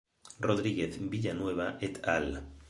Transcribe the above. Rodríguez Villanueva "et al.